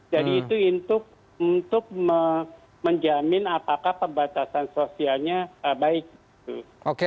itu untuk menjamin apakah pembatasan sosialnya baik